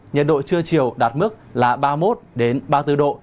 nhiệt độ trưa chiều đạt mức là ba mươi một ba mươi bốn độ